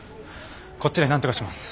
こっちでなんとかします。